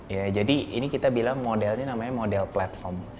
ya jadi ini kita bilang modelnya namanya model platform